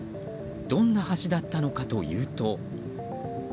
どんな橋だったのかというと。